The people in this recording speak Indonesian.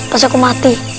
pas aku mati